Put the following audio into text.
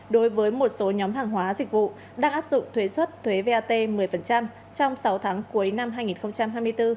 đối với một số nhóm hàng hóa dịch vụ đang áp dụng thuế xuất thuế vat một mươi trong sáu tháng cuối năm hai nghìn hai mươi bốn